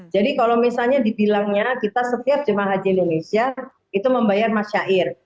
kalau misalnya dibilangnya kita setiap jemaah haji indonesia itu membayar masyair